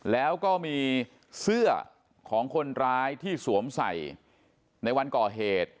แล้วก็มีเสื้อของคนร้ายที่สวมใส่ในวันก่อเหตุ